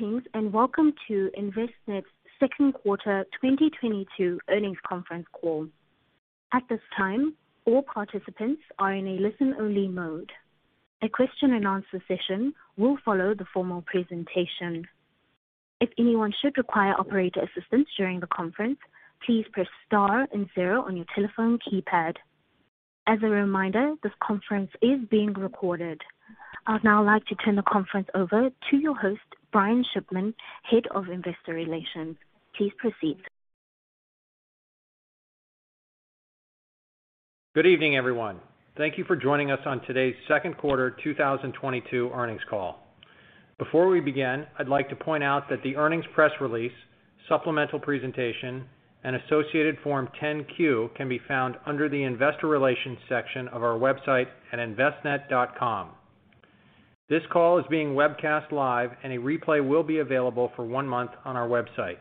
Greetings, and welcome to Envestnet's Second Quarter 2022 Earnings Conference Call. At this time, all participants are in a listen-only mode. A question and answer session will follow the formal presentation. If anyone should require operator assistance during the conference, please press star and zero on your telephone keypad. As a reminder, this conference is being recorded. I'd now like to turn the conference over to your host, Brian Shipman, Head of Investor Relations. Please proceed. Good evening, everyone. Thank you for joining us on today's second quarter 2022 earnings call. Before we begin, I'd like to point out that the earnings press release, supplemental presentation, and associated Form 10-Q can be found under the Investor Relations section of our website at Envestnet.com. This call is being webcast live, and a replay will be available for one month on our website.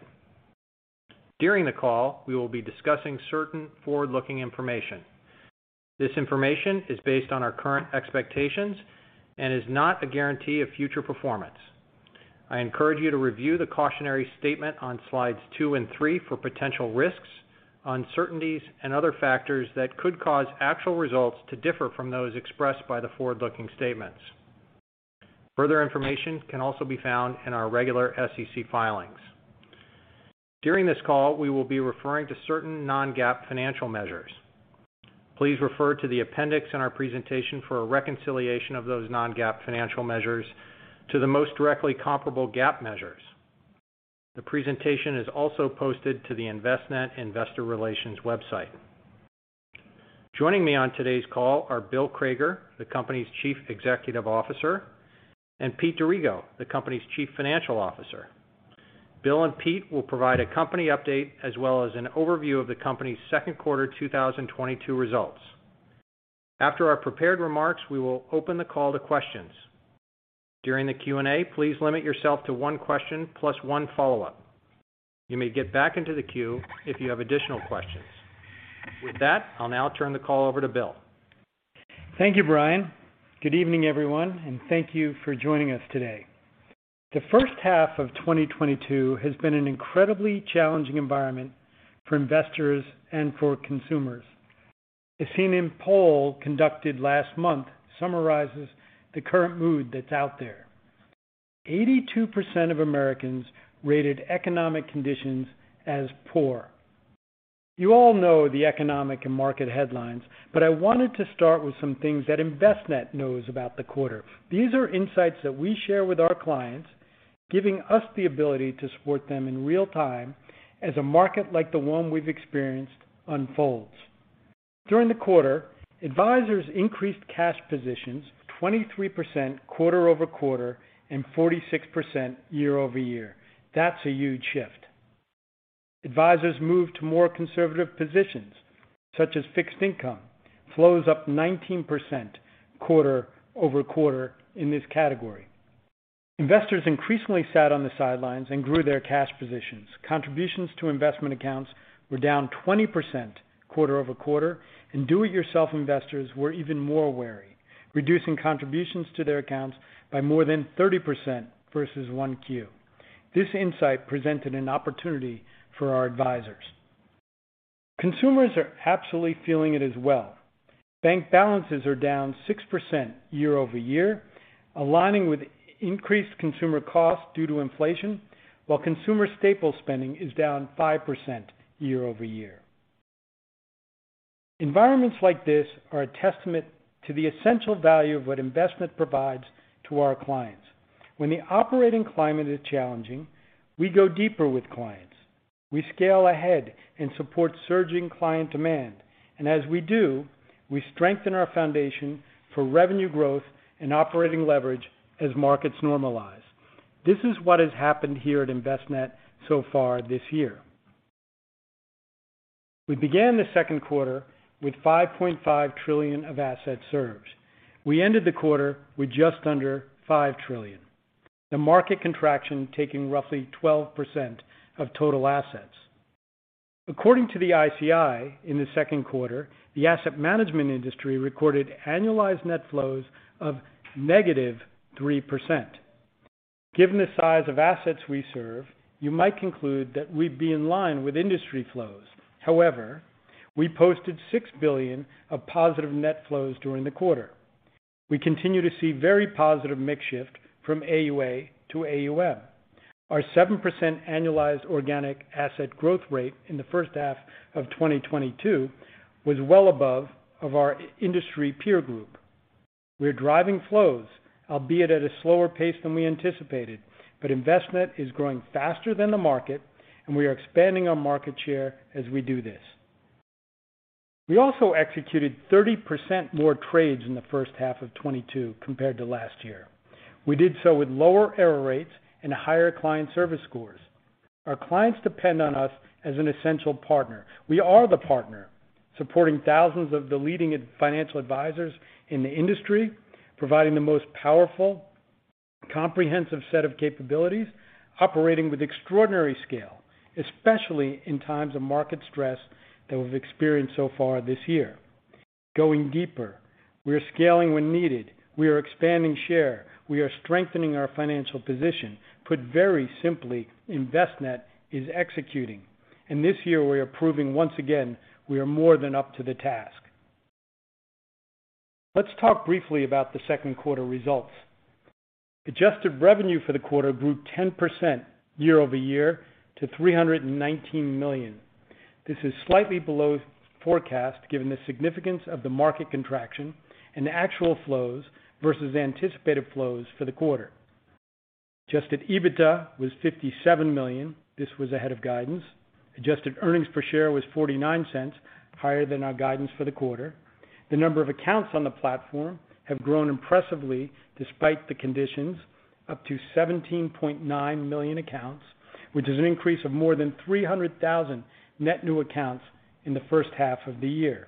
During the call, we will be discussing certain forward-looking information. This information is based on our current expectations and is not a guarantee of future performance. I encourage you to review the cautionary statement on slides two and three for potential risks, uncertainties, and other factors that could cause actual results to differ from those expressed by the forward-looking statements. Further information can also be found in our regular SEC filings. During this call, we will be referring to certain non-GAAP financial measures. Please refer to the appendix in our presentation for a reconciliation of those non-GAAP financial measures to the most directly comparable GAAP measures. The presentation is also posted to the Envestnet Investor Relations website. Joining me on today's call are Bill Crager, the company's Chief Executive Officer, and Pete D'Arrigo, the company's Chief Financial Officer. Bill and Pete will provide a company update as well as an overview of the company's second quarter 2022 results. After our prepared remarks, we will open the call to questions. During the Q&A please limit yourself to one question plus one follow-up. You may get back into the queue if you have additional questions. With that, I'll now turn the call over to Bill. Thank you, Brian. Good evening, everyone, and thank you for joining us today. The first half of 2022 has been an incredibly challenging environment for investors and for consumers. A CNN poll conducted last month summarizes the current mood that's out there. 82% of Americans rated economic conditions as poor. You all know the economic and market headlines, but I wanted to start with some things that Envestnet knows about the quarter. These are insights that we share with our clients, giving us the ability to support them in real time as a market like the one we've experienced unfolds. During the quarter, advisors increased cash positions 23% quarter-over-quarter and 46% year-over-year. That's a huge shift. Advisors moved to more conservative positions, such as fixed income. Flows up 19% quarter-over-quarter in this category. Investors increasingly sat on the sidelines and grew their cash positions. Contributions to investment accounts were down 20% quarter-over-quarter, and do it yourself investors were even more wary, reducing contributions to their accounts by more than 30% versus 1Q. This insight presented an opportunity for our advisors. Consumers are absolutely feeling it as well. Bank balances are down 6% year-over-year, aligning with increased consumer costs due to inflation, while consumer staple spending is down 5% year-over-year. Environments like this are a testament to the essential value of what Envestnet provides to our clients. When the operating climate is challenging, we go deeper with clients. We scale ahead and support surging client demand. As we do, we strengthen our foundation for revenue growth and operating leverage as markets normalize. This is what has happened here at Envestnet so far this year. We began the second quarter with 5.5 trillion of assets served. We ended the quarter with just under 5 trillion. The market contraction taking roughly 12% of total assets. According to the ICI, in the second quarter, the asset management industry recorded annualized net flows of -3%. Given the size of assets we serve, you might conclude that we'd be in line with industry flows. However, we posted 6 billion of positive net flows during the quarter. We continue to see very positive mix shift from AUA to AUM. Our 7% annualized organic asset growth rate in the first half of 2022 was well above of our industry peer group. We're driving flows, albeit at a slower pace than we anticipated, but Envestnet is growing faster than the market, and we are expanding our market share as we do this. We also executed 30% more trades in the first half of 2022 compared to last year. We did so with lower error rates and higher client service scores. Our clients depend on us as an essential partner. We are the partner supporting thousands of the leading financial advisors in the industry, providing the most powerful, comprehensive set of capabilities, operating with extraordinary scale, especially in times of market stress that we've experienced so far this year. Going deeper. We are scaling when needed. We are expanding share. We are strengthening our financial position. Put very simply, Envestnet is executing. In this year, we are proving once again, we are more than up to the task. Let's talk briefly about the second quarter results. Adjusted revenue for the quarter grew 10% year-over-year to $319 million. This is slightly below forecast, given the significance of the market contraction and the actual flows versus anticipated flows for the quarter. Adjusted EBITDA was $57 million. This was ahead of guidance. Adjusted earnings per share was $0.49, higher than our guidance for the quarter. The number of accounts on the platform have grown impressively despite the conditions, up to 17.9 million accounts, which is an increase of more than 300,000 net new accounts in the first half of the year.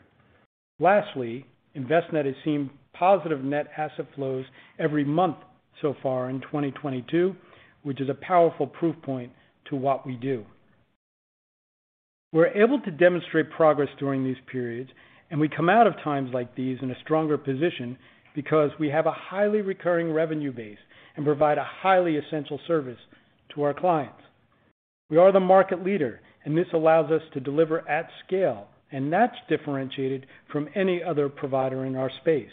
Lastly, Envestnet has seen positive net asset flows every month so far in 2022, which is a powerful proof point to what we do. We're able to demonstrate progress during these periods, and we come out of times like these in a stronger position because we have a highly recurring revenue base and provide a highly essential service to our clients. We are the market leader, and this allows us to deliver at scale, and that's differentiated from any other provider in our space.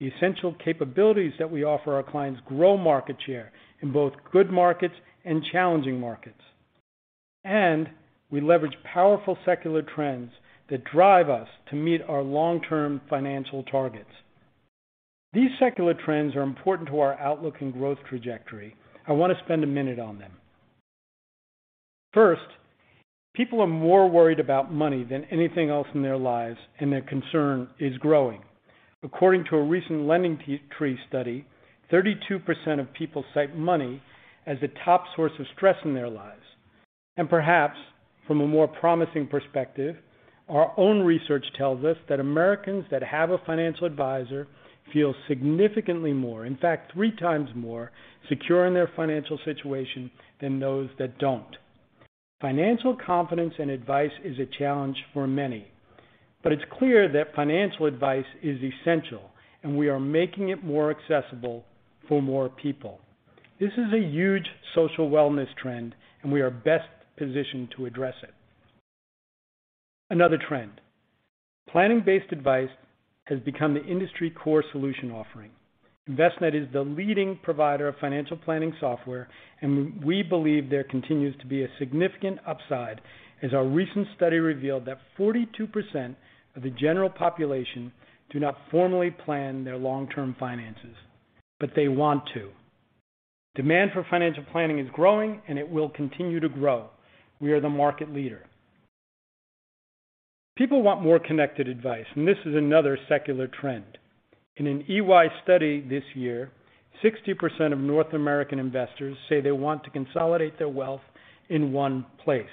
The essential capabilities that we offer our clients grow market share in both good markets and challenging markets. We leverage powerful secular trends that drive us to meet our long-term financial targets. These secular trends are important to our outlook and growth trajectory. I want to spend a minute on them. First, people are more worried about money than anything else in their lives, and their concern is growing. According to a recent LendingTree study, 32% of people cite money as the top source of stress in their lives. Perhaps from a more promising perspective, our own research tells us that Americans that have a financial advisor feel significantly more, in fact, 3x more secure in their financial situation than those that don't. Financial confidence and advice is a challenge for many, but it's clear that financial advice is essential, and we are making it more accessible for more people. This is a huge social wellness trend, and we are best positioned to address it. Another trend. Planning-based advice has become the industry core solution offering. Envestnet is the leading provider of financial planning software, and we believe there continues to be a significant upside, as our recent study revealed that 42% of the general population do not formally plan their long-term finances, but they want to. Demand for financial planning is growing, and it will continue to grow. We are the market leader. People want more connected advice, and this is another secular trend. In an EY study this year, 60% of North American investors say they want to consolidate their wealth in one place.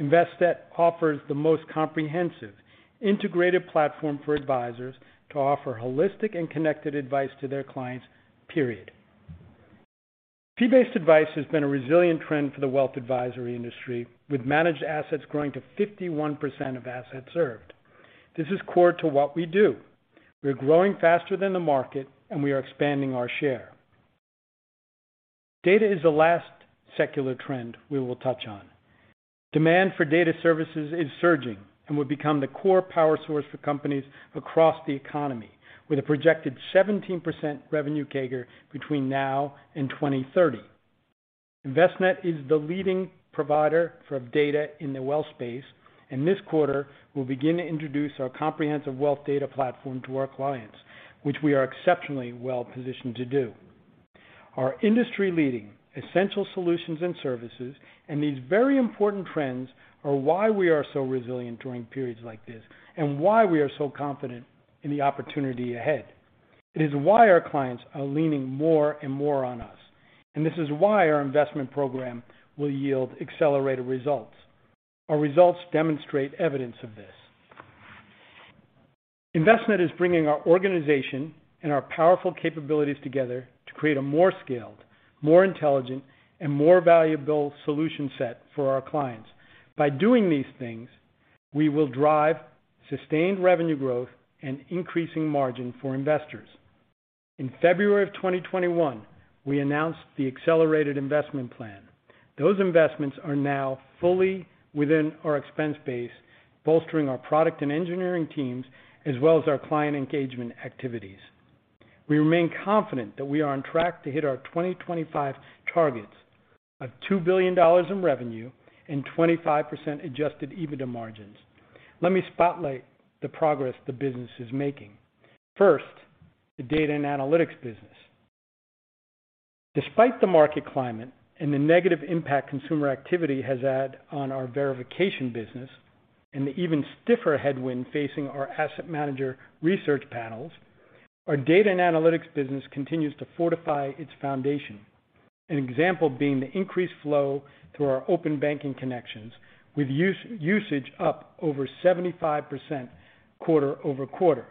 Envestnet offers the most comprehensive integrated platform for advisors to offer holistic and connected advice to their clients, period. Fee-based advice has been a resilient trend for the wealth advisory industry, with managed assets growing to 51% of assets served. This is core to what we do. We're growing faster than the market, and we are expanding our share. Data is the last secular trend we will touch on. Demand for data services is surging and will become the core power source for companies across the economy, with a projected 17% revenue CAGR between now and 2030. Envestnet is the leading provider for data in the wealth space, and this quarter, we'll begin to introduce our comprehensive Wealth Data Platform to our clients, which we are exceptionally well-positioned to do. Our industry-leading essential solutions and services and these very important trends are why we are so resilient during periods like this and why we are so confident in the opportunity ahead. It is why our clients are leaning more and more on us, and this is why our investment program will yield accelerated results. Our results demonstrate evidence of this. Envestnet is bringing our organization and our powerful capabilities together to create a more scaled, more intelligent, and more valuable solution set for our clients. By doing these things, we will drive sustained revenue growth and increasing margin for investors. In February of 2021, we announced the accelerated investment plan. Those investments are now fully within our expense base, bolstering our product and engineering teams, as well as our client engagement activities. We remain confident that we are on track to hit our 2025 targets of $2 billion in revenue and 25% adjusted EBITDA margins. Let me spotlight the progress the business is making. First, the data and analytics business. Despite the market climate and the negative impact consumer activity has had on our verification business and the even stiffer headwind facing our asset manager research panels, our data and analytics business continues to fortify its foundation. An example being the increased flow through our open banking connections with use, usage up over 75% quarter-over-quarter.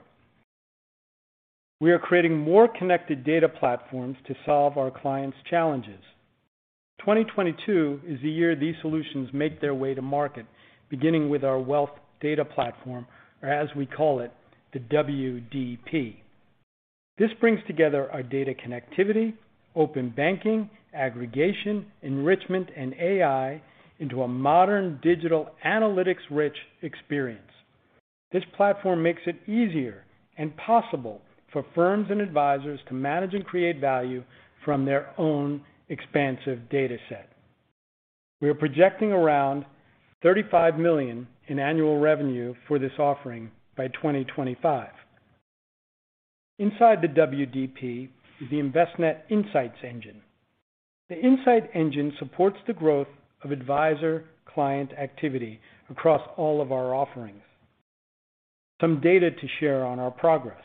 We are creating more connected data platforms to solve our clients' challenges. 2022 is the year these solutions make their way to market, beginning with our Wealth Data Platform, or as we call it, the WDP. This brings together our data connectivity, open banking, aggregation, enrichment, and AI into a modern digital analytics-rich experience. This platform makes it easier and possible for firms and advisors to manage and create value from their own expansive data set. We are projecting around $35 million in annual revenue for this offering by 2025. Inside the WDP is the Envestnet Insights Engine. The Insights Engine supports the growth of advisor-client activity across all of our offerings. Some data to share on our progress.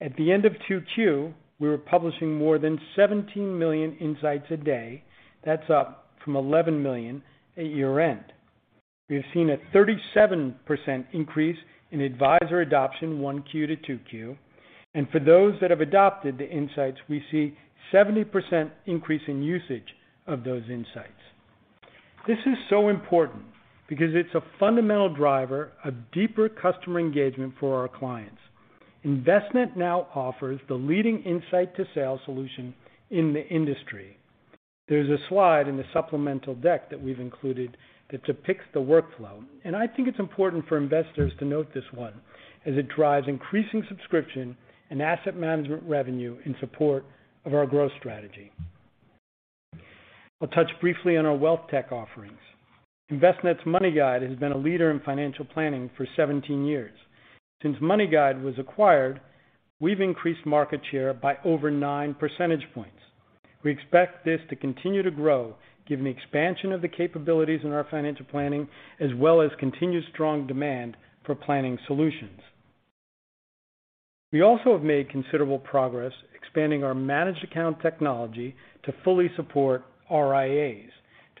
At the end of 2Q, we were publishing more than 17 million insights a day. That's up from 11 million at year-end. We have seen a 37% increase in advisor adoption 1Q to 2Q. For those that have adopted the insights, we see 70% increase in usage of those insights. This is so important because it's a fundamental driver of deeper customer engagement for our clients. Envestnet now offers the leading insight-to-sale solution in the industry. There's a slide in the supplemental deck that we've included that depicts the workflow, and I think it's important for investors to note this one as it drives increasing subscription and asset management revenue in support of our growth strategy. I'll touch briefly on our wealth tech offerings. Envestnet's MoneyGuide has been a leader in financial planning for 17 years. Since MoneyGuide was acquired, we've increased market share by over 9 percentage points. We expect this to continue to grow given the expansion of the capabilities in our financial planning, as well as continued strong demand for planning solutions. We also have made considerable progress expanding our managed account technology to fully support RIAs,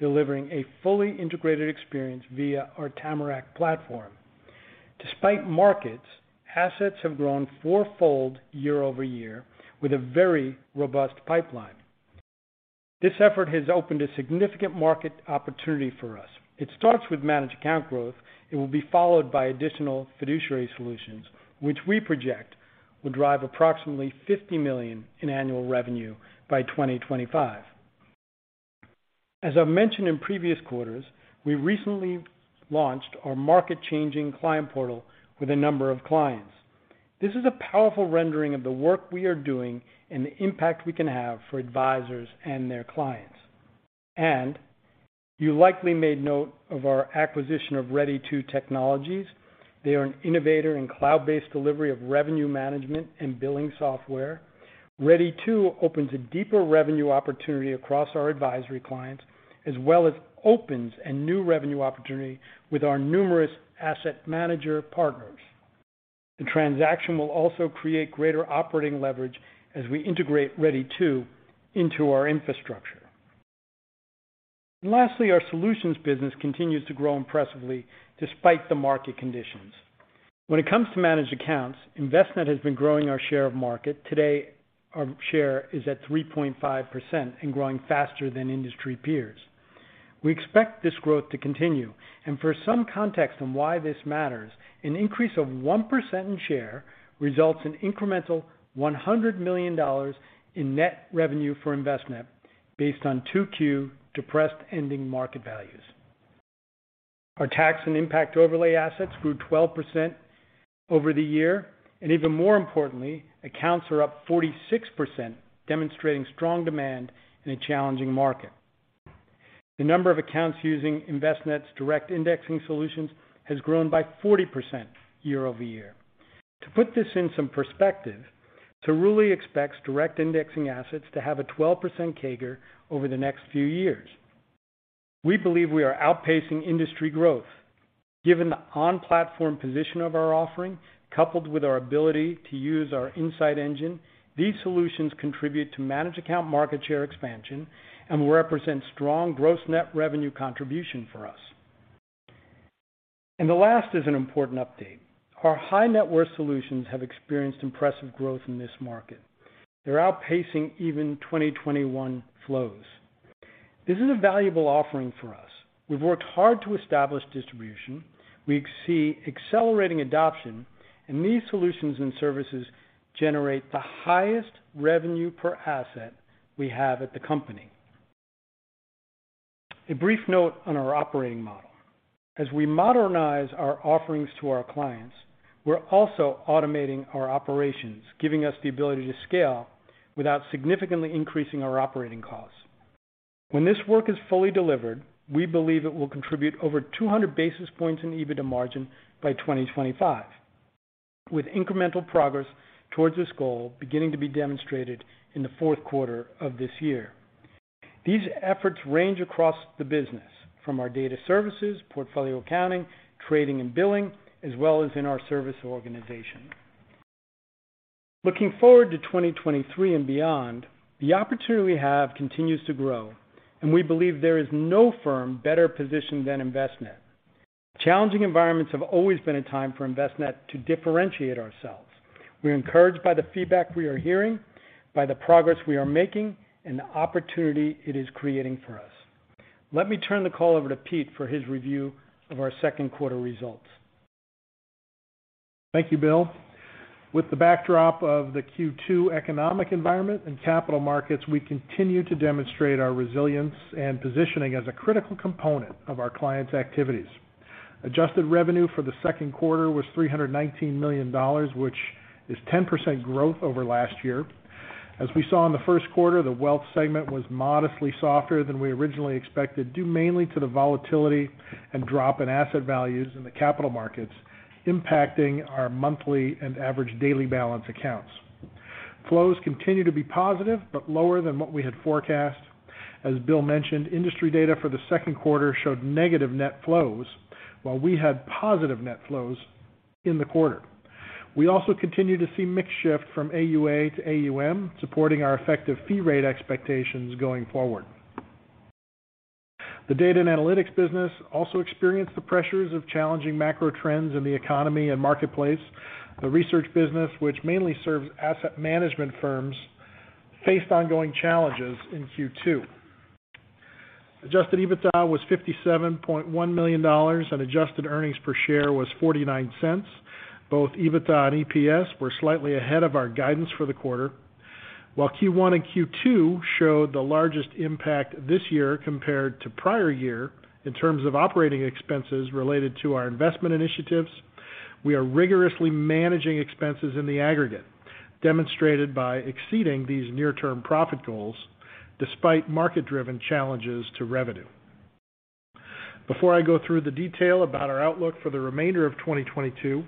delivering a fully integrated experience via our Tamarac platform. Despite markets, assets have grown four-fold year-over-year with a very robust pipeline. This effort has opened a significant market opportunity for us. It starts with managed account growth. It will be followed by additional fiduciary solutions, which we project will drive approximately $50 million in annual revenue by 2025. As I've mentioned in previous quarters, we recently launched our market-changing client portal with a number of clients. This is a powerful rendering of the work we are doing and the impact we can have for advisors and their clients. You likely made note of our acquisition of Redi2 Technologies. They are an innovator in cloud-based delivery of revenue management and billing software. Redi2 opens a deeper revenue opportunity across our advisory clients, as well as opens a new revenue opportunity with our numerous asset manager partners. The transaction will also create greater operating leverage as we integrate Redi2 into our infrastructure. Lastly, our solutions business continues to grow impressively despite the market conditions. When it comes to managed accounts, Envestnet has been growing our share of market. Today, our share is at 3.5% and growing faster than industry peers. We expect this growth to continue. For some context on why this matters, an increase of 1% in share results in incremental $100 million in net revenue for Envestnet based on 2Q depressed ending market values. Our tax and impact overlay assets grew 12% over the year, and even more importantly, accounts are up 46%, demonstrating strong demand in a challenging market. The number of accounts using Envestnet's direct indexing solutions has grown by 40% year-over-year. To put this in some perspective, Cerulli expects direct indexing assets to have a 12% CAGR over the next few years. We believe we are outpacing industry growth. Given the on-platform position of our offering, coupled with our ability to use our insight engine, these solutions contribute to managed account market share expansion and will represent strong gross net revenue contribution for us. The last is an important update. Our high-net-worth solutions have experienced impressive growth in this market. They're outpacing even 2021 flows. This is a valuable offering for us. We've worked hard to establish distribution. We see accelerating adoption, and these solutions and services generate the highest revenue per asset we have at the company. A brief note on our operating model. As we modernize our offerings to our clients, we're also automating our operations, giving us the ability to scale without significantly increasing our operating costs. When this work is fully delivered, we believe it will contribute over 200 basis points in EBITDA margin by 2025, with incremental progress towards this goal beginning to be demonstrated in the fourth quarter of this year. These efforts range across the business, from our data services, portfolio accounting, trading, and billing, as well as in our service organization. Looking forward to 2023 and beyond, the opportunity we have continues to grow, and we believe there is no firm better positioned than Envestnet. Challenging environments have always been a time for Envestnet to differentiate ourselves. We're encouraged by the feedback we are hearing, by the progress we are making, and the opportunity it is creating for us. Let me turn the call over to Pete for his review of our second quarter results. Thank you, Bill. With the backdrop of the Q2 economic environment and capital markets, we continue to demonstrate our resilience and positioning as a critical component of our clients' activities. Adjusted revenue for the second quarter was $319 million, which is 10% growth over last year. As we saw in the first quarter, the wealth segment was modestly softer than we originally expected, due mainly to the volatility and drop in asset values in the capital markets impacting our monthly and average daily balance accounts. Flows continue to be positive, but lower than what we had forecast. As Bill mentioned, industry data for the second quarter showed negative net flows, while we had positive net flows in the quarter. We also continue to see mix shift from AUA to AUM, supporting our effective fee rate expectations going forward. The data and analytics business also experienced the pressures of challenging macro trends in the economy and marketplace. The research business, which mainly serves asset management firms, faced ongoing challenges in Q2. Adjusted EBITDA was $57.1 million, and adjusted earnings per share was $0.49. Both EBITDA and EPS were slightly ahead of our guidance for the quarter. While Q1 and Q2 showed the largest impact this year compared to prior year in terms of operating expenses related to our investment initiatives, we are rigorously managing expenses in the aggregate, demonstrated by exceeding these near-term profit goals despite market-driven challenges to revenue. Before I go through the detail about our outlook for the remainder of 2022,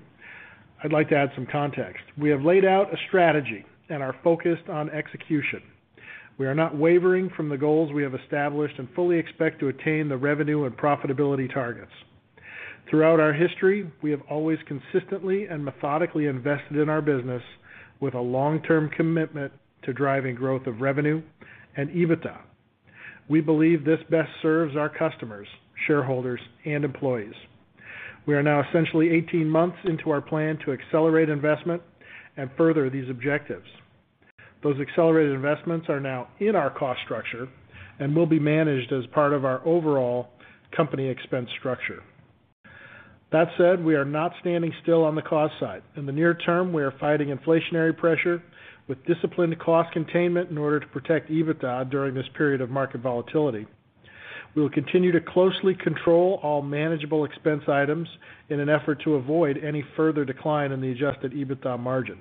I'd like to add some context. We have laid out a strategy and are focused on execution. We are not wavering from the goals we have established and fully expect to attain the revenue and profitability targets. Throughout our history, we have always consistently and methodically invested in our business with a long-term commitment to driving growth of revenue and EBITDA. We believe this best serves our customers, shareholders, and employees. We are now essentially 18 months into our plan to accelerate investment and further these objectives. Those accelerated investments are now in our cost structure and will be managed as part of our overall company expense structure. That said, we are not standing still on the cost side. In the near-term, we are fighting inflationary pressure with disciplined cost containment in order to protect EBITDA during this period of market volatility. We will continue to closely control all manageable expense items in an effort to avoid any further decline in the adjusted EBITDA margin.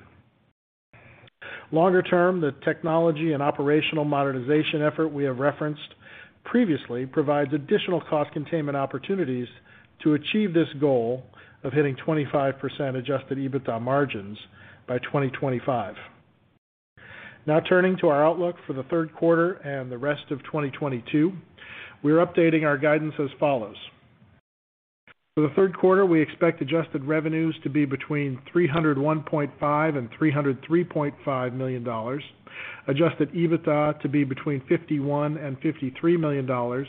Longer term, the technology and operational modernization effort we have referenced previously provides additional cost containment opportunities to achieve this goal of hitting 25% adjusted EBITDA margins by 2025. Now, turning to our outlook for the third quarter and the rest of 2022, we are updating our guidance as follows. For the third quarter, we expect adjusted revenues to be between $301.5 million and $303.5 million, adjusted EBITDA to be between $51 million and $53 million,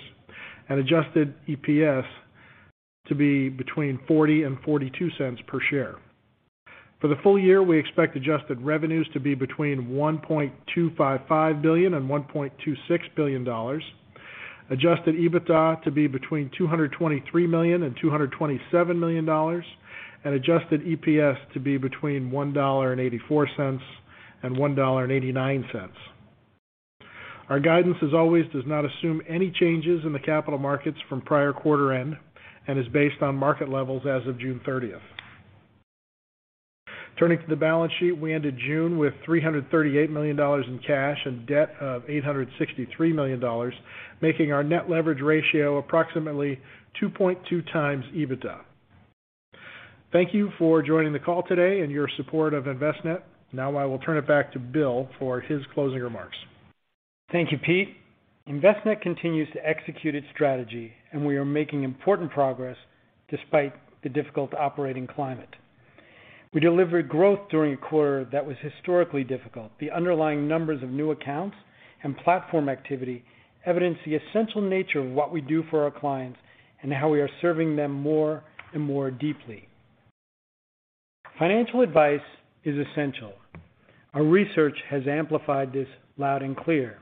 and adjusted EPS to be between $0.40 and $0.42 per share. For the full year, we expect adjusted revenues to be between $1.255 billion and $1.26 billion, adjusted EBITDA to be between $223 million and $227 million, and adjusted EPS to be between $1.84 and $1.89. Our guidance, as always, does not assume any changes in the capital markets from prior quarter end and is based on market levels as of June 30th. Turning to the balance sheet, we ended June with $338 million in cash and debt of $863 million, making our net leverage ratio approximately 2.2x EBITDA. Thank you for joining the call today and your support of Envestnet. Now I will turn it back to Bill for his closing remarks. Thank you, Pete. Envestnet continues to execute its strategy, and we are making important progress despite the difficult operating climate. We delivered growth during a quarter that was historically difficult. The underlying numbers of new accounts and platform activity evidence the essential nature of what we do for our clients and how we are serving them more and more deeply. Financial advice is essential. Our research has amplified this loud and clear.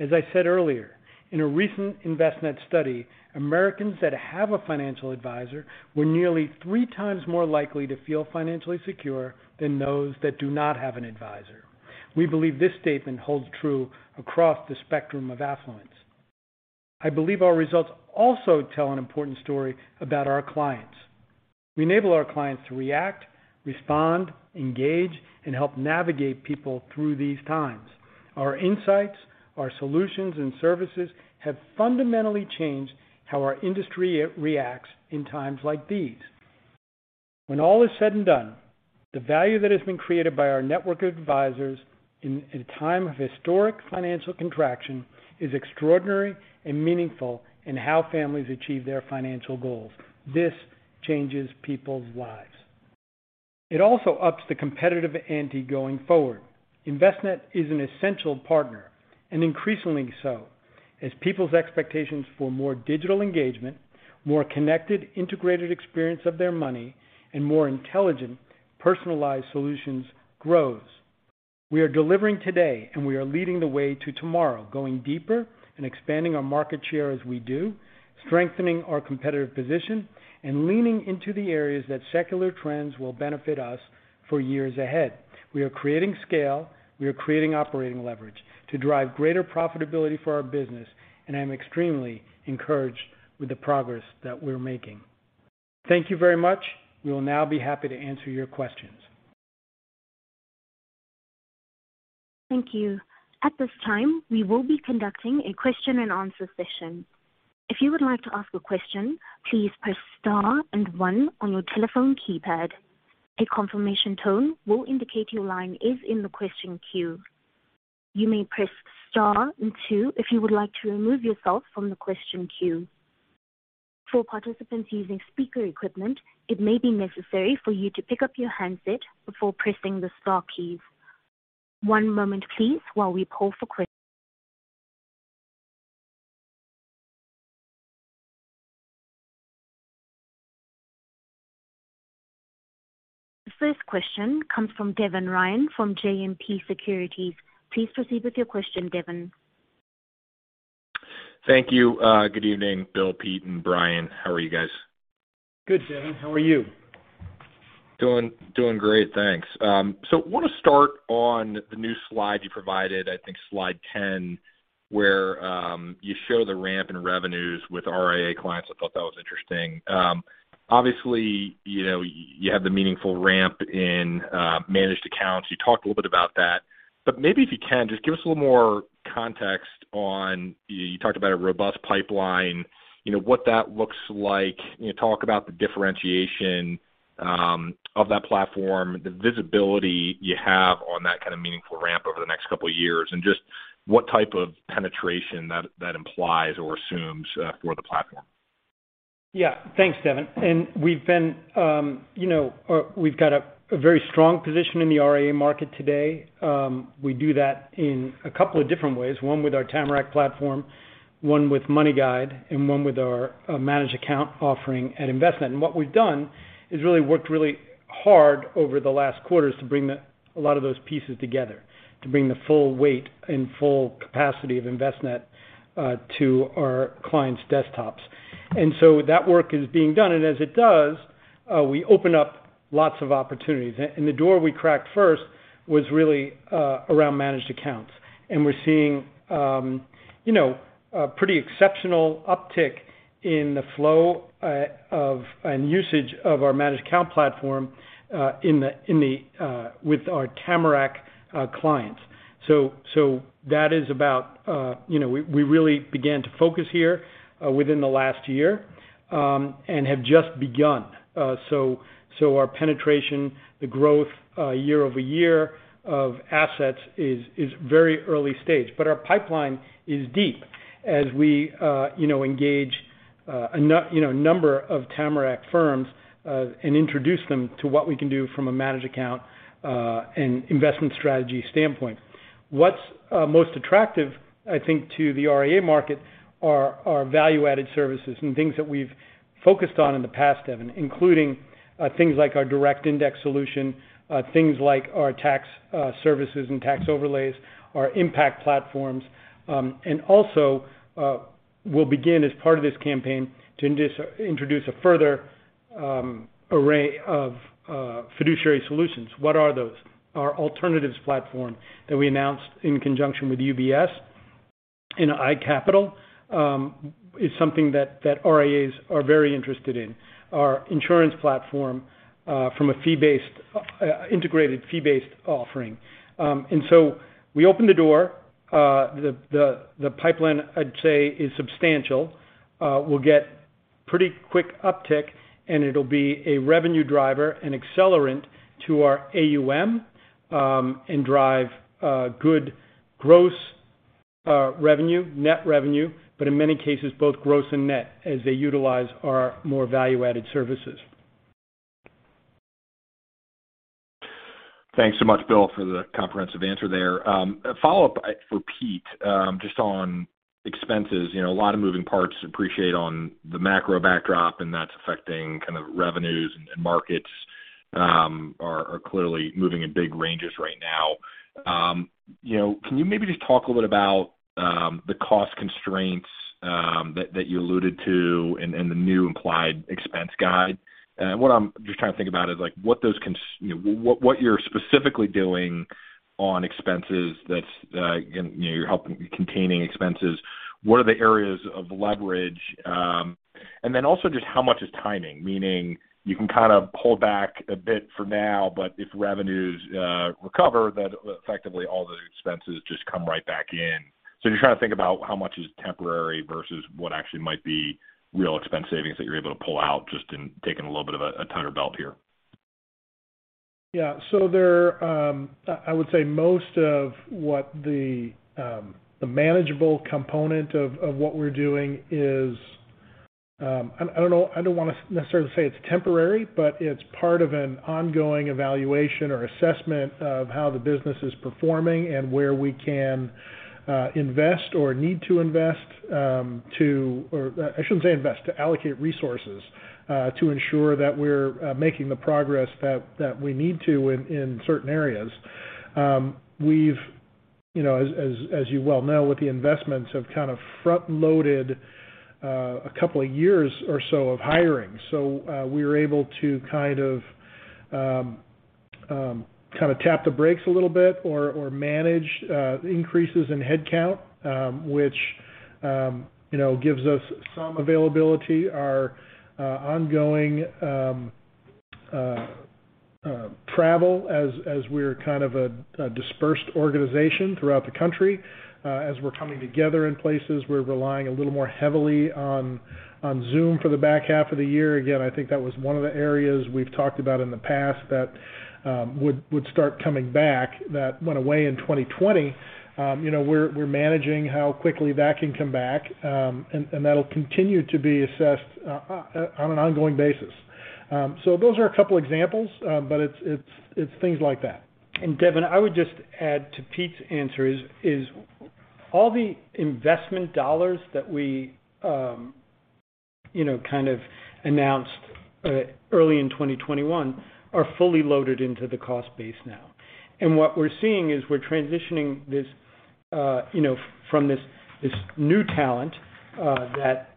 As I said earlier, in a recent Envestnet study, Americans that have a financial advisor were nearly 3x more likely to feel financially secure than those that do not have an advisor. We believe this statement holds true across the spectrum of affluence. I believe our results also tell an important story about our clients. We enable our clients to react, respond, engage, and help navigate people through these times. Our insights, our solutions and services have fundamentally changed how our industry reacts in times like these. When all is said and done, the value that has been created by our network of advisors in a time of historic financial contraction is extraordinary and meaningful in how families achieve their financial goals. This changes people's lives. It also ups the competitive ante going forward. Envestnet is an essential partner, and increasingly so as people's expectations for more digital engagement, more connected, integrated experience of their money, and more intelligent, personalized solutions grows. We are delivering today, and we are leading the way to tomorrow, going deeper and expanding our market share as we do, strengthening our competitive position and leaning into the areas that secular trends will benefit us for years ahead. We are creating scale, we are creating operating leverage to drive greater profitability for our business, and I'm extremely encouraged with the progress that we're making. Thank you very much. We will now be happy to answer your questions. Thank you. At this time, we will be conducting a question and answer session. If you would like to ask a question, please press star and one on your telephone keypad. A confirmation tone will indicate your line is in the question queue. You may press star and two if you would like to remove yourself from the question queue. For participants using speaker equipment, it may be necessary for you to pick up your handset before pressing the star keys. One moment, please, while we poll for questions. The first question comes from Devin Ryan from JMP Securities. Please proceed with your question, Devin. Thank you. Good evening, Bill, Pete, and Brian. How are you guys? Good, Devin. How are you? Doing great, thanks. Want to start on the new slide you provided, I think slide 10, where you show the ramp in revenues with RIA clients. I thought that was interesting. Obviously, you know, you have the meaningful ramp in managed accounts. You talked a little bit about that, but maybe if you can, just give us a little more context. You talked about a robust pipeline, you know, what that looks like. You know, talk about the differentiation of that platform, the visibility you have on that kind of meaningful ramp over the next couple of years, and just what type of penetration that implies or assumes for the platform. Yeah. Thanks, Devin. We've got a very strong position in the RIA market today. We do that in a couple of different ways, one with our Tamarac platform, one with MoneyGuide, and one with our managed account offering at Envestnet. What we've done is really worked really hard over the last quarters to bring a lot of those pieces together to bring the full weight and full capacity of Envestnet to our clients' desktops. That work is being done, and as it does, we open up lots of opportunities. The door we cracked first was really around managed accounts. We're seeing you know a pretty exceptional uptick in the flow of and usage of our managed account platform with our Tamarac clients. That is about, you know, we really began to focus here within the last year and have just begun. Our penetration, the growth year-over-year of assets is very early stage. Our pipeline is deep as we, you know, engage a number of Tamarac firms and introduce them to what we can do from a managed account and investment strategy standpoint. What's most attractive, I think, to the RIA market are value-added services and things that we've focused on in the past, Devin, including things like our direct indexing solution, things like our tax services and tax overlays, our impact platforms. We'll begin as part of this campaign to introduce a further array of fiduciary solutions. What are those? Our alternatives platform that we announced in conjunction with UBS and iCapital is something that RIAs are very interested in. Our insurance platform from a fee-based integrated fee-based offering. We opened the door. The pipeline, I'd say, is substantial. We'll get pretty quick uptick, and it'll be a revenue driver, an accelerant to our AUM, and drive good gross revenue, net revenue, but in many cases, both gross and net as they utilize our more value-added services. Thanks so much, Bill, for the comprehensive answer there. A follow-up for Pete, just on expenses. You know, a lot of moving parts. I appreciate on the macro backdrop, and that's affecting kind of revenues and markets are clearly moving in big ranges right now. You know, can you maybe just talk a little about the cost constraints that you alluded to and the new implied expense guide? What I'm just trying to think about is like what you're specifically doing on expenses that's helping contain expenses. What are the areas of leverage? Also just how much is timing? Meaning you can kind of pull back a bit for now, but if revenues recover, then effectively all the expenses just come right back in. Just trying to think about how much is temporary versus what actually might be real expense savings that you're able to pull out just in taking a little bit of a tighter belt here. Yeah. I would say most of what the manageable component of what we're doing is. I don't know. I don't wanna necessarily say it's temporary, but it's part of an ongoing evaluation or assessment of how the business is performing and where we can invest or need to invest, or I shouldn't say invest, to allocate resources to ensure that we're making the progress that we need to in certain areas. You know, as you well know, with the investments, have kind of front-loaded a couple of years or so of hiring. We were able to kind of tap the brakes a little bit or manage the increases in headcount, which you know gives us some availability. Our ongoing travel as we're kind of a dispersed organization throughout the country. As we're coming together in places, we're relying a little more heavily on Zoom for the back half of the year. Again, I think that was one of the areas we've talked about in the past that would start coming back that went away in 2020. You know, we're managing how quickly that can come back. That'll continue to be assessed on an ongoing basis. Those are a couple examples, but it's things like that. Devin, I would just add to Pete's answer is all the investment dollars that we, you know, kind of announced, early in 2021 are fully loaded into the cost base now. What we're seeing is we're transitioning this, you know, from this new talent that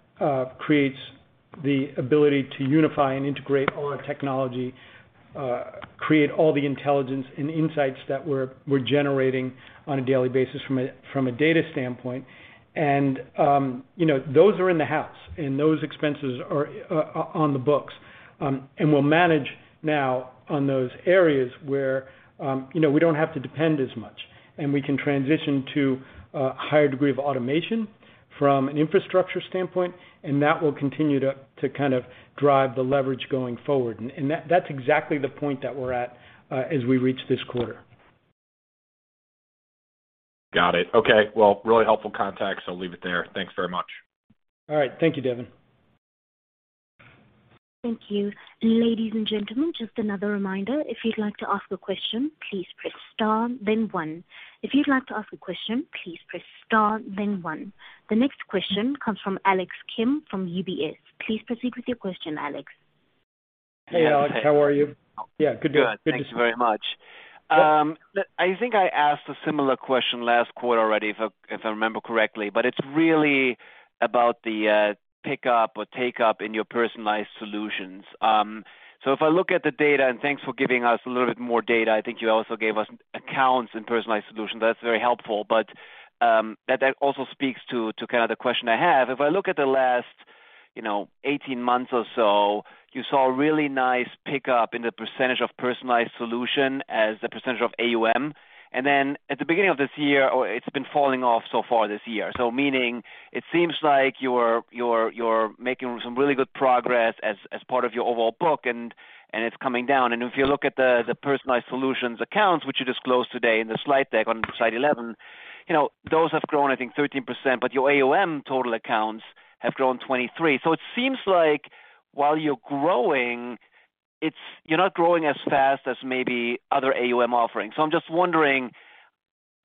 creates the ability to unify and integrate all our technology, create all the intelligence and insights that we're generating on a daily basis from a data standpoint. You know, those are in-house, and those expenses are on the books. We'll manage now on those areas where, you know, we don't have to depend as much, and we can transition to a higher degree of automation from an infrastructure standpoint, and that will continue to kind of drive the leverage going forward. That's exactly the point that we're at as we reach this quarter. Got it. Okay. Well, really helpful context, I'll leave it there. Thanks very much. All right. Thank you, Devin. Thank you. Ladies and gentlemen, just another reminder, if you'd like to ask a question, please press star then one. If you'd like to ask a question, please press star then one. The next question comes from Alex Kramm from UBS. Please proceed with your question, Alex. Hey, Alex. How are you? Yeah. Good to Good. Thank you very much. I think I asked a similar question last quarter already if I remember correctly, but it's really about the pickup or take up in your personalized solutions. So if I look at the data, and thanks for giving us a little bit more data. I think you also gave us accounts in personalized solutions. That's very helpful. That also speaks to kinda the question I have. If I look at the last, you know, 18 months or so, you saw a really nice pickup in the percentage of personalized solution as the percentage of AUM. Then at the beginning of this year or it's been falling off so far this year. Meaning it seems like you're making some really good progress as part of your overall book, and it's coming down. If you look at the personalized solutions accounts, which you disclosed today in the slide deck on slide 11, you know, those have grown, I think, 13%, but your AUM total accounts have grown 23%. It seems like while you're growing, it's you're not growing as fast as maybe other AUM offerings. I'm just wondering,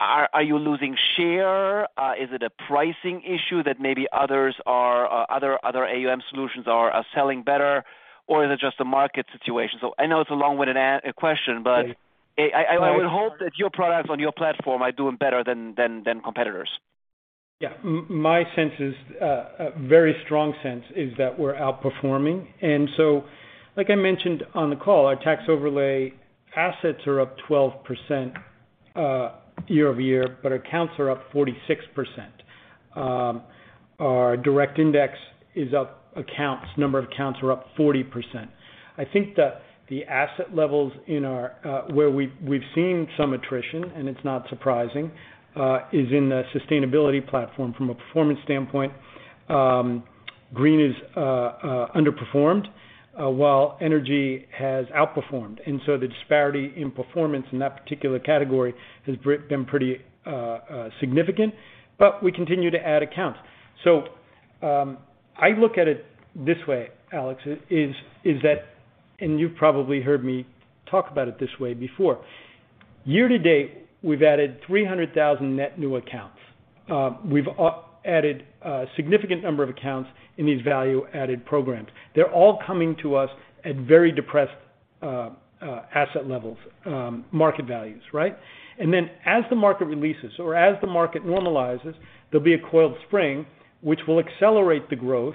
are you losing share? Is it a pricing issue that maybe other AUM solutions are selling better, or is it just a market situation? I know it's a long-winded question, but I would hope that your products on your platform are doing better than competitors. Yeah. My sense is a very strong sense is that we're outperforming. Like I mentioned on the call, our tax overlay assets are up 12% year-over-year, but our accounts are up 46%. Our direct indexing accounts number are up 40%. I think the asset levels in our where we've seen some attrition, and it's not surprising, is in the sustainability platform from a performance standpoint. Green is underperformed while energy has outperformed. The disparity in performance in that particular category has been pretty significant, but we continue to add accounts. I look at it this way, Alex, is that, and you've probably heard me talk about it this way before. Year-to-date, we've added 300,000 net new accounts. We've added a significant number of accounts in these value-added programs. They're all coming to us at very depressed asset levels, market values, right? As the market releases or as the market normalizes, there'll be a coiled spring, which will accelerate the growth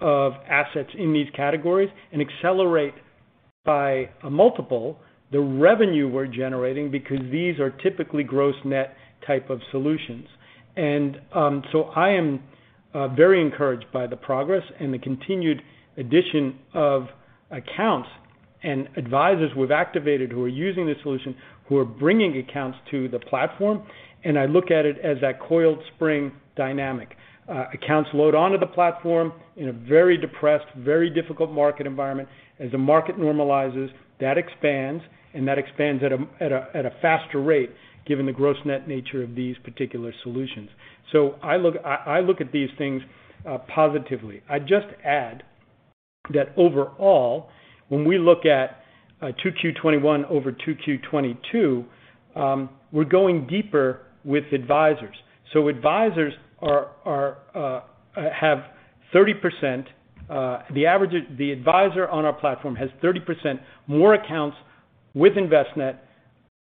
of assets in these categories and accelerate by a multiple the revenue we're generating because these are typically gross net type of solutions. I am very encouraged by the progress and the continued addition of accounts and advisors we've activated who are using this solution, who are bringing accounts to the platform. I look at it as that coiled spring dynamic. Accounts load onto the platform in a very depressed, very difficult market environment. As the market normalizes, that expands, and that expands at a faster rate given the gross net nature of these particular solutions. I look at these things positively. I'd just add that overall, when we look at 2Q 2021 over 2Q 2022, we're going deeper with advisors. The average advisor on our platform has 30% more accounts with Envestnet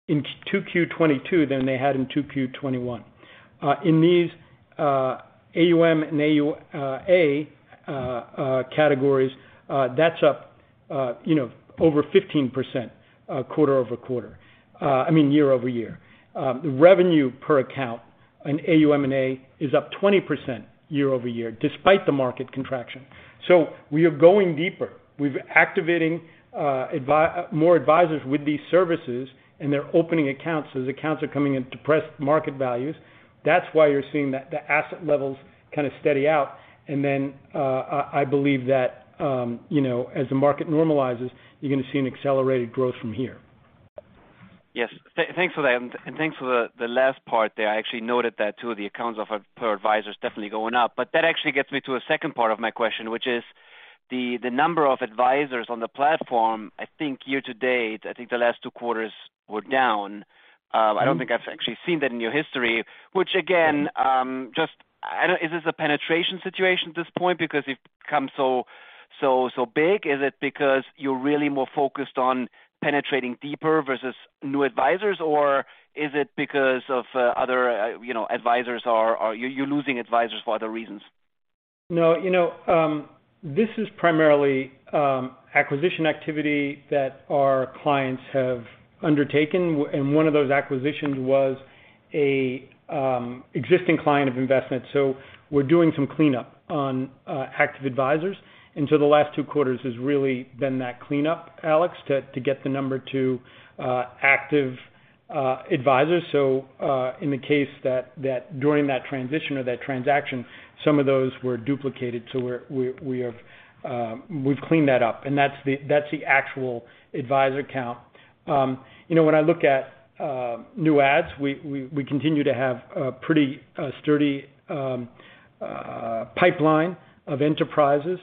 in 2Q 2022 than they had in 2Q 2021. In these AUM and AUA categories, that's up, you know, over 15% quarter-over-quarter, I mean, year-over-year. The revenue per account in AUM and AUA is up 20% year-over-year despite the market contraction. We are going deeper. We're activating more advisors with these services, and they're opening accounts. The accounts are coming at depressed market values. That's why you're seeing the asset levels kind of steady out. Then, I believe that, you know, as the market normalizes, you're going to see an accelerated growth from here. Yes. Thanks for that, and thanks for the last part there. I actually noted that too, the accounts per advisor is definitely going up. That actually gets me to a second part of my question, which is the number of advisors on the platform. I think year-to-date, I think the last two quarters were down. I don't think I've actually seen that in your history. Is this a penetration situation at this point because you've come so big? Is it because you're really more focused on penetrating deeper versus new advisors? Or is it because of other, you know, advisors or you're losing advisors for other reasons? No, you know, this is primarily acquisition activity that our clients have undertaken, and one of those acquisitions was a existing client of Envestnet. We're doing some cleanup on active advisors. The last two quarters has really been that cleanup, Alex, to get the number to active advisors. In the case that during that transition or that transaction, some of those were duplicated. We're we have we've cleaned that up, and that's the actual advisor count. You know, when I look at new adds, we continue to have a pretty sturdy pipeline of enterprises,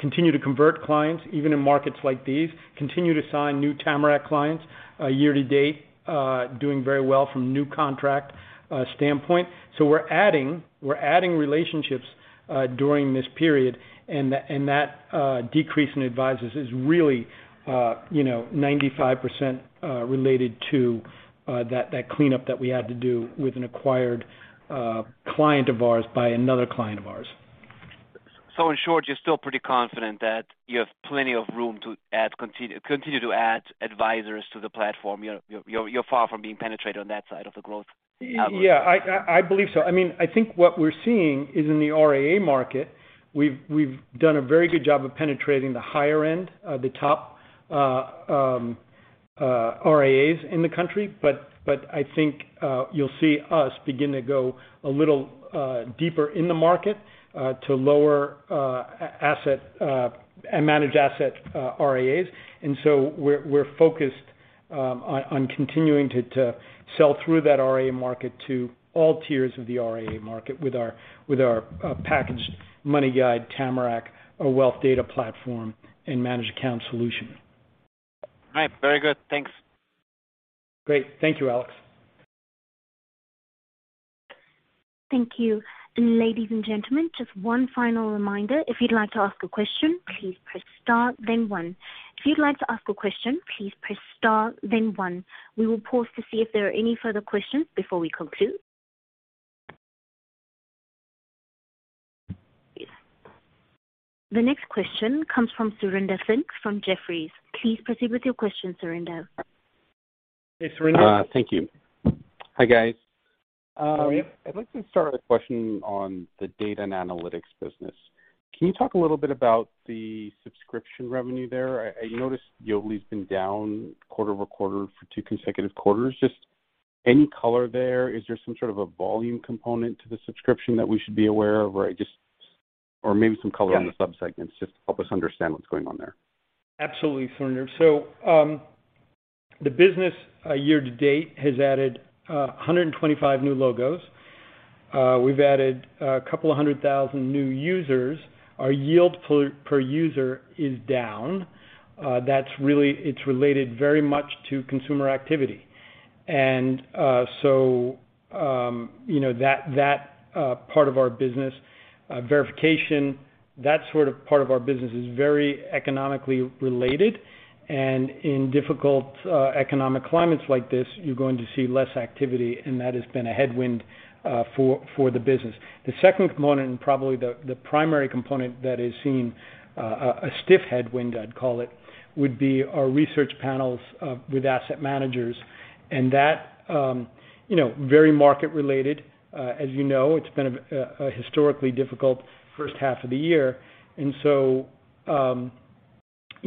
continue to convert clients, even in markets like these, continue to sign new Tamarac clients, year-to-date, doing very well from new contract standpoint. We're adding relationships during this period. That decrease in advisors is really, you know, 95% related to that cleanup that we had to do with an acquired client of ours by another client of ours. In short, you're still pretty confident that you have plenty of room to add, continue to add advisors to the platform. You're far from being penetrated on that side of the growth outlet. Yeah, I believe so. I mean, I think what we're seeing is in the RIA market, we've done a very good job of penetrating the higher end, the top RIAs in the country. I think you'll see us begin to go a little deeper in the market to lower asset management RIAs. We're focused on continuing to sell through that RIA market to all tiers of the RIA market with our package MoneyGuide Tamarac, our Wealth Data Platform, and managed account solution. All right. Very good. Thanks. Great. Thank you, Alex. Thank you. Ladies and gentlemen, just one final reminder. If you'd like to ask a question, please press star then one. We will pause to see if there are any further questions before we conclude. The next question comes from Surinder Thind from Jefferies. Please proceed with your question, Surinder. Hey, Surinder. Thank you. Hi, guys. Hi. I'd like to start with a question on the data and analytics business. Can you talk a little bit about the subscription revenue there? I noticed Yodlee's been down quarter-over-quarter for two consecutive quarters. Just any color there? Is there some sort of a volume component to the subscription that we should be aware of? Or maybe some color? Yeah. on the sub-segments just to help us understand what's going on there. Absolutely, Surinder. The business year-to-date has added 125 new logos. We've added a couple of hundred thousand new users. Our yield per user is down. That's really. It's related very much to consumer activity. You know, that part of our business, verification, that sort of part of our business is very economically related. In difficult economic climates like this, you're going to see less activity, and that has been a headwind for the business. The second component, probably the primary component that is seeing a stiff headwind, I'd call it, would be our research panels with asset managers. That you know very market related. As you know, it's been a historically difficult first half of the year. You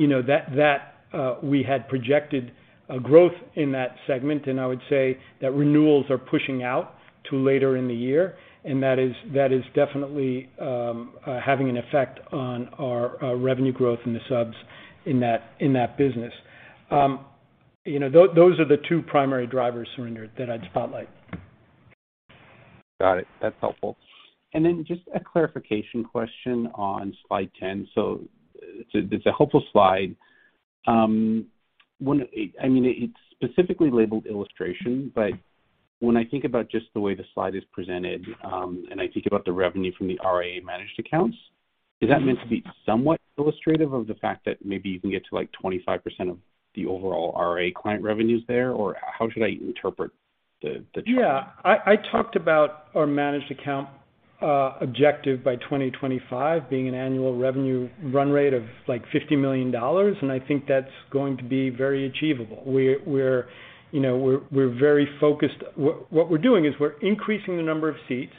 know, that we had projected a growth in that segment, and I would say that renewals are pushing out to later in the year. That is definitely having an effect on our revenue growth in the subs in that business. You know, those are the two primary drivers, Surinder, that I'd spotlight. Got it. That's helpful. Just a clarification question on slide 10. It's a helpful slide. I mean, it's specifically labeled illustration, but when I think about just the way the slide is presented, and I think about the revenue from the RIA-managed accounts, is that meant to be somewhat illustrative of the fact that maybe you can get to, like, 25% of the overall RIA client revenues there? Or how should I interpret the chart? Yeah. I talked about our managed account objective by 2025 being an annual revenue run rate of, like, $50 million, and I think that's going to be very achievable. We're very focused. What we're doing is we're increasing the number of seats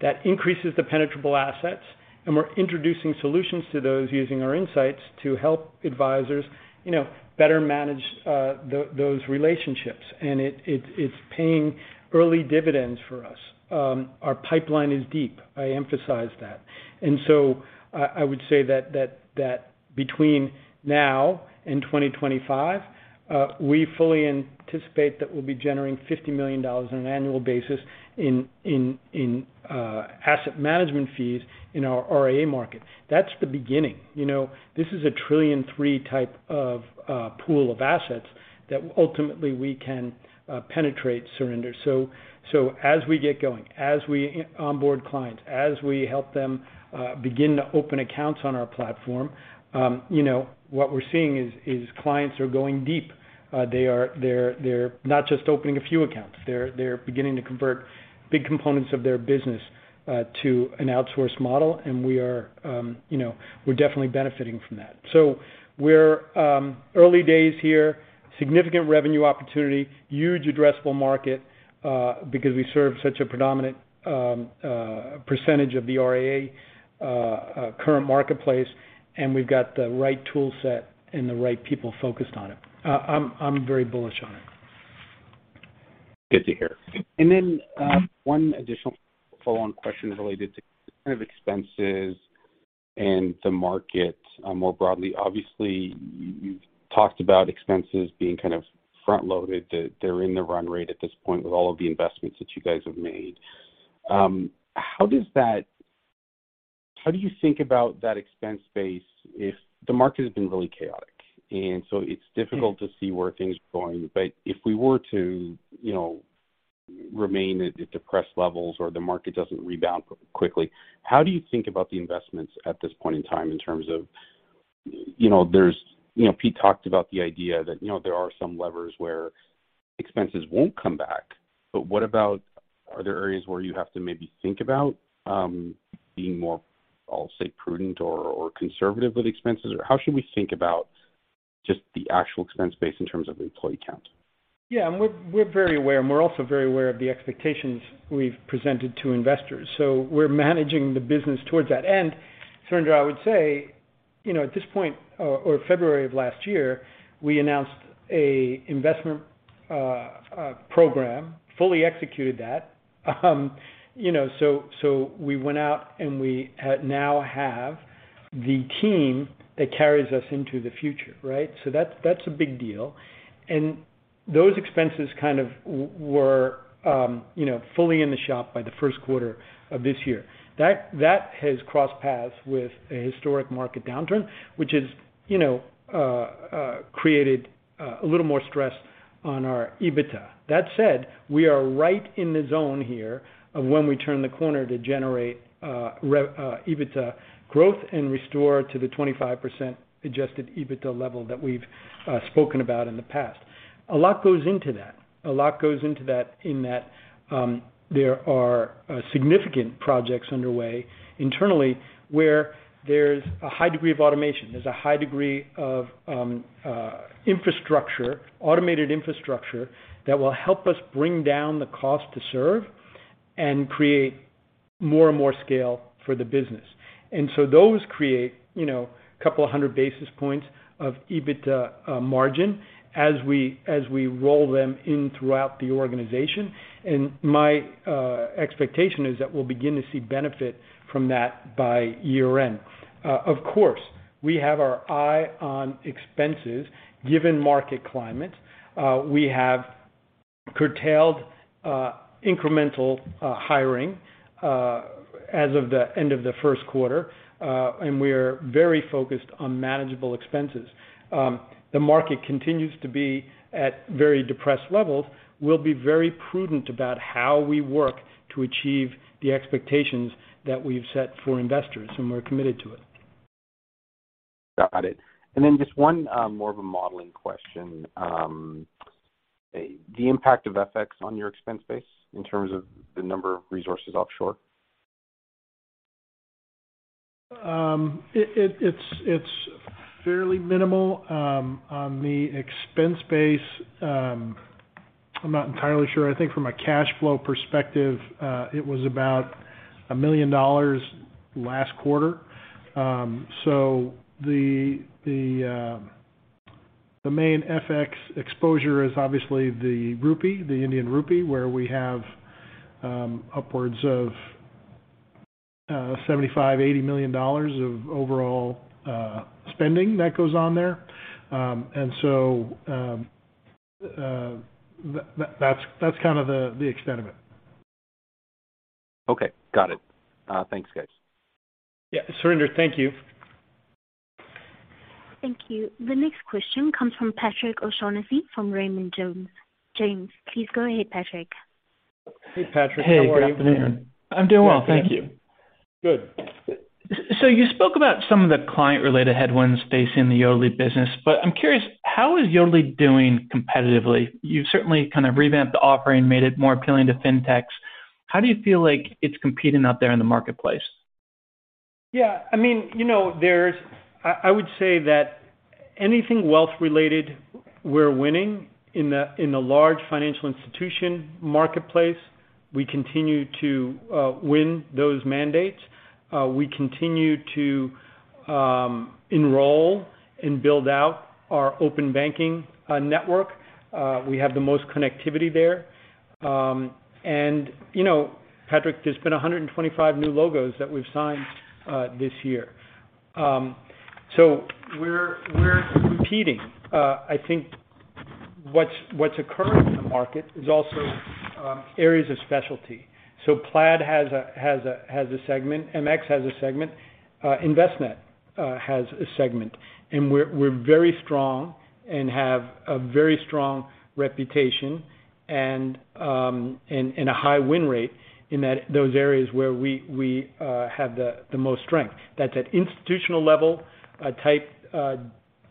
that increases the penetrable assets, and we're introducing solutions to those using our insights to help advisors, you know, better manage those relationships. It's paying early dividends for us. Our pipeline is deep. I emphasize that. I would say that between now and 2025, we fully anticipate that we'll be generating $50 million on an annual basis in asset management fees in our RIA market. That's the beginning. You know, this is a $1.3 trillion type of pool of assets that ultimately we can penetrate, Surinder. As we get going, as we onboard clients, as we help them begin to open accounts on our platform, you know, what we're seeing is clients are going deep. They're not just opening a few accounts. They're beginning to convert big components of their business to an outsourced model, and we're definitely benefiting from that. We're early days here, significant revenue opportunity, huge addressable market, because we serve such a predominant percentage of the RIA current marketplace, and we've got the right tool set and the right people focused on it. I'm very bullish on it. Good to hear. One additional follow-on question related to kind of expenses and the market, more broadly. Obviously, you've talked about expenses being kind of front-loaded. They're in the run rate at this point with all of the investments that you guys have made. How do you think about that expense base if the market has been really chaotic, and so it's difficult to see where things are going. If we were to, you know, remain at depressed levels or the market doesn't rebound quickly, how do you think about the investments at this point in time in terms of, you know, there's. You know, Pete talked about the idea that, you know, there are some levers where expenses won't come back. What about, are there areas where you have to maybe think about being more, I'll say, prudent or conservative with expenses? Or how should we think about just the actual expense base in terms of employee count? Yeah. We're very aware, and we're also very aware of the expectations we've presented to investors. We're managing the business towards that. Surinder, I would say, you know, at this point, or February of last year, we announced an investment program, fully executed that. You know, so we went out, and we now have the team that carries us into the future, right? That's a big deal. Those expenses kind of were fully in the shop by the first quarter of this year. That has crossed paths with a historic market downturn, which has, you know, created a little more stress on our EBITDA. That said, we are right in the zone here of when we turn the corner to generate EBITDA growth and restore to the 25% adjusted EBITDA level that we've spoken about in the past. A lot goes into that, in that there are significant projects underway internally where there's a high degree of automation. There's a high degree of automated infrastructure that will help us bring down the cost to serve and create more and more scale for the business. Those create, you know, a couple of hundred basis points of EBITDA margin as we roll them in throughout the organization. My expectation is that we'll begin to see benefit from that by year-end. Of course, we have our eye on expenses given market climate. We have curtailed incremental hiring as of the end of the first quarter, and we are very focused on managing expenses. The market continues to be at very depressed levels. We'll be very prudent about how we work to achieve the expectations that we've set for investors, and we're committed to it. Got it. Just one more of a modeling question. The impact of FX on your expense base in terms of the number of resources offshore. It's fairly minimal. On the expense base, I'm not entirely sure. I think from a cash flow perspective, it was about $1 million last quarter. The main FX exposure is obviously the rupee, the Indian rupee, where we have upwards of $75-$80 million of overall spending that goes on there. And so, that's kind of the extent of it. Okay. Got it. Thanks, guys. Yeah, Surinder, thank you. Thank you. The next question comes from Patrick O'Shaughnessy from Raymond James. James, please go ahead, Patrick. Hey, Patrick. How are you? Hey, good afternoon. I'm doing well, thank you. Good. You spoke about some of the client-related headwinds facing the Yodlee business, but I'm curious, how is Yodlee doing competitively? You've certainly kind of revamped the offering, made it more appealing to Fintechs. How do you feel like it's competing out there in the marketplace? Yeah, I mean, you know, I would say that anything wealth related, we're winning in the large financial institution marketplace. We continue to win those mandates. We continue to enroll and build out our open banking network. We have the most connectivity there. And you know, Patrick, there's been 125 new logos that we've signed this year. So we're competing. I think what's occurring in the market is also areas of specialty. So, Plaid has a segment, MX has a segment, Envestnet has a segment. We're very strong and have a very strong reputation and a high win rate in those areas where we have the most strength. That's at institutional level, type,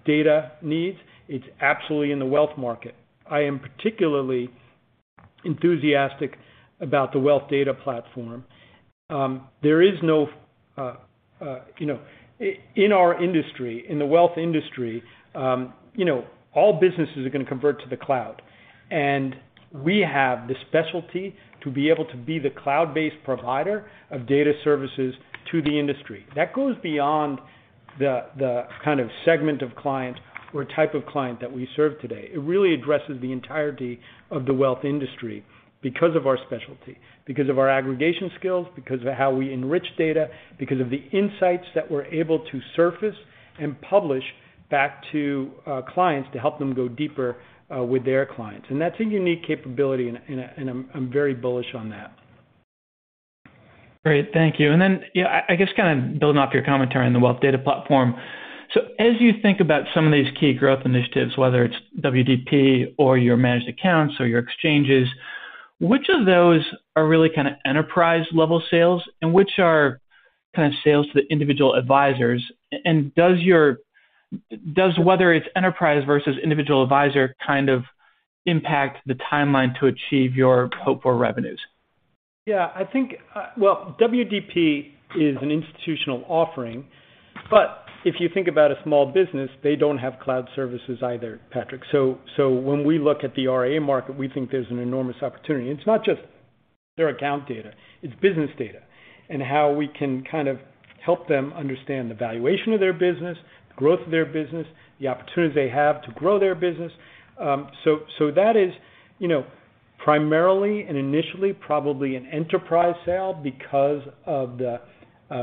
data needs. It's absolutely in the wealth market. I am particularly enthusiastic about the Wealth Data Platform. There is no, you know, In our industry, in the wealth industry, you know, all businesses are gonna convert to the cloud, and we have the specialty to be able to be the cloud-based provider of data services to the industry. That goes beyond the kind of segment of client or type of client that we serve today. It really addresses the entirety of the wealth industry because of our specialty, because of our aggregation skills, because of how we enrich data, because of the insights that we're able to surface and publish back to, clients to help them go deeper, with their clients. That's a unique capability, and I'm very bullish on that. Great. Thank you. Yeah, I guess kind of building off your commentary on the Wealth Data Platform. So, as you think about some of these key growth initiatives, whether it's WDP or your managed accounts or your exchanges, which of those are really kind of enterprise-level sales and which are kind of sales to the individual advisors? And, does whether it's enterprise versus individual advisor kind of impact the timeline to achieve your hoped-for revenues? Yeah, I think. Well, WDP is an institutional offering, but if you think about a small business, they don't have cloud services either, Patrick. When we look at the RIA market, we think there's an enormous opportunity. It's not just their account data, it's business data and how we can kind of help them understand the valuation of their business, the growth of their business, the opportunities they have to grow their business. So that is, you know, primarily and initially probably an enterprise sale because of the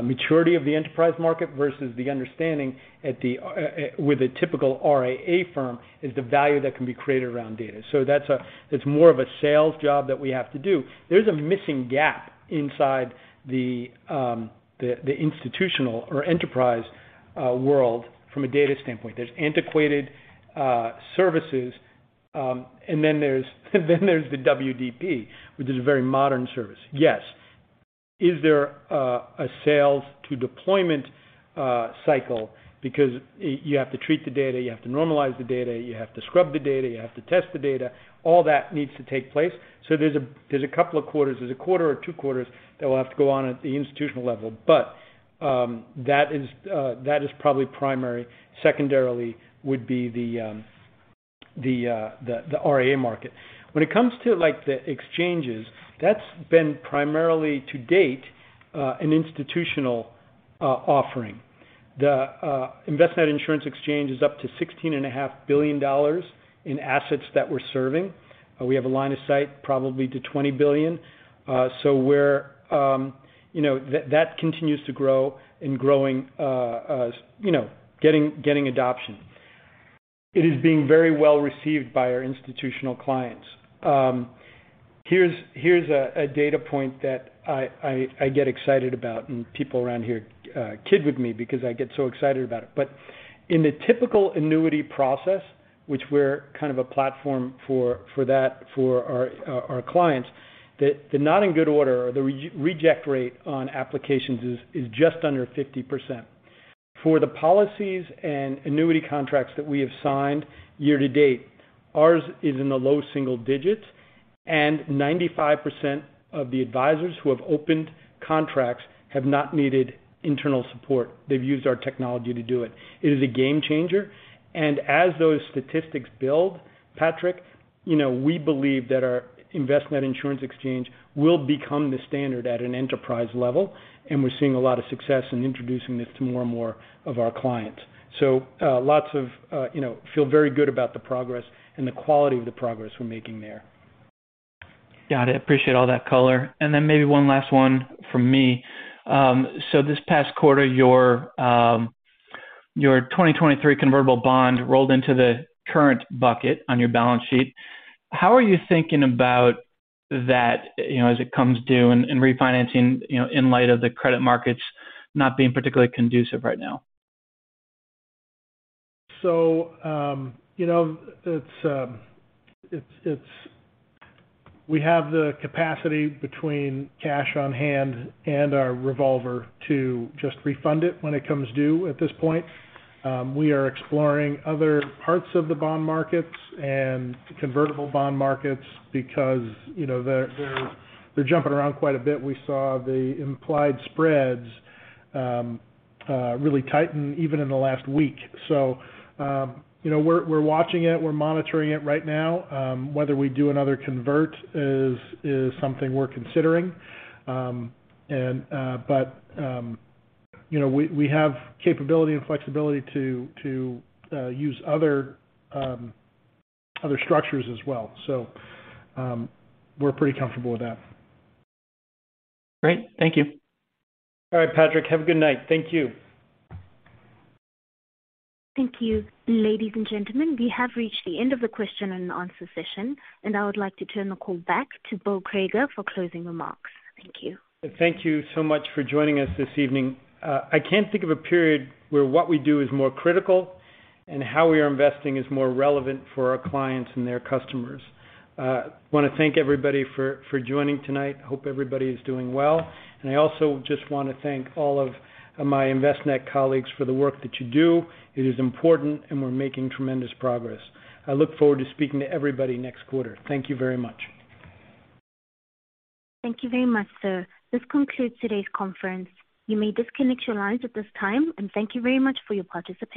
maturity of the enterprise market versus the understanding at the with a typical RIA firm, is the value that can be created around data. So, that's more of a sales job that we have to do. There's a missing gap inside the institutional or enterprise world from a data standpoint. There's antiquated services, and then there's the WDP, which is a very modern service. Yes. Is there a sales to deployment cycle because you have to treat the data, you have to normalize the data, you have to scrub the data, you have to test the data, all that needs to take place. There's a couple of quarters, there's a quarter or two quarters that will have to go on at the institutional level, but that is probably primary. Secondarily, would be the RIA market. When it comes to, like, the exchanges, that's been primarily to date, an institutional offering. The Envestnet Insurance Exchange is up to $16.5 billion in assets that we're serving. We have a line of sight probably to $20 billion. So, we're, you know, that continues to grow and growing, you know, getting adoption. It is being very well received by our institutional clients. Here's a data point that I get excited about, and people around here kid with me because I get so excited about it. In the typical annuity process, which we're kind of a platform for that, for our clients, the not in good order or the reject rate on applications is just under 50%. For the policies and annuity contracts that we have signed year-to-date, ours is in the low single-digits, and 95% of the advisors who have opened contracts have not needed internal support. They've used our technology to do it. It is a game changer. And, as those statistics build, Patrick, you know, we believe that our Envestnet Insurance Exchange will become the standard at an enterprise level, and we're seeing a lot of success in introducing this to more and more of our clients. So lots of, you know, feel very good about the progress and the quality of the progress we're making there. Got it. Appreciate all that color. Maybe one last one from me. This past quarter, your 2023 convertible bond rolled into the current bucket on your balance sheet. How are you thinking about that, you know, as it comes due and refinancing, you know, in light of the credit markets not being particularly conducive right now? You know, we have the capacity between cash on hand and our revolver to just refund it when it comes due at this point. We are exploring other parts of the bond markets and convertible bond markets because, you know, they're jumping around quite a bit. We saw the implied spreads really tighten even in the last week. We're watching it. We're monitoring it right now. Whether we do another convert is something we're considering. We have capability and flexibility to use other structures as well. We're pretty comfortable with that. Great. Thank you. All right, Patrick. Have a good night. Thank you. Thank you. Ladies and gentlemen, we have reached the end of the question and answer session, and I would like to turn the call back to Bill Crager for closing remarks. Thank you. Thank you so much for joining us this evening. I can't think of a period where what we do is more critical and how we are investing is more relevant for our clients and their customers. Wanna thank everybody for joining tonight. Hope everybody is doing well. I also just wanna thank all of my Envestnet colleagues for the work that you do. It is important, and we're making tremendous progress. I look forward to speaking to everybody next quarter. Thank you very much. Thank you very much, sir. This concludes today's conference. You may disconnect your lines at this time, and thank you very much for your participation.